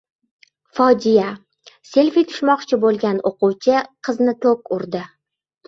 Fojia: selfi tushmoqchi bo‘lgan o‘quvchi qizni tok urdi